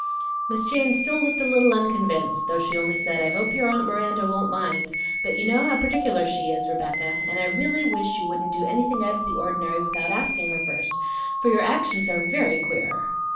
Miss Jane still looked a little unconvinced, though she only said, "I hope your aunt Miranda won't mind, but you know how particular she is, Rebecca, and I really wish you wouldn't do anything out of the ordinary without asking her first, for your actions are very queer."